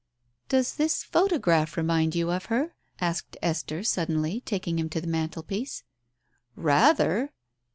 "Does this photograph remind you of her?" asked Esther suddenly, taking him to the mantelpiece. "Rather!"